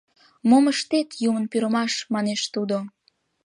— Мом ыштет, юмын пӱрымаш, — манеш тудо.